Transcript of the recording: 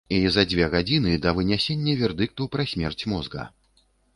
І за дзве гадзіны да вынясення вердыкту пра смерць мозга.